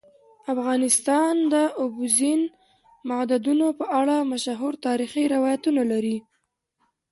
افغانستان د اوبزین معدنونه په اړه مشهور تاریخی روایتونه لري.